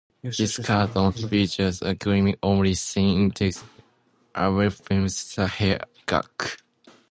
This cartoon features a gimmick only seen in Tex Avery films, the "hair gag".